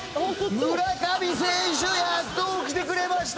村上選手やっと起きてくれました。